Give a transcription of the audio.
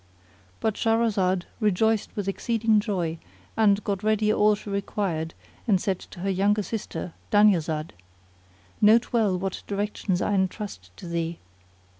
But Shahrazad rejoiced with exceeding joy and gat ready all she required and said to her younger sister, Dunyazad, "Note well what directions I entrust to thee!